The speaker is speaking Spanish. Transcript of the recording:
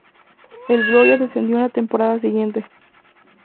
El Gloria descendió en la temporada siguiente.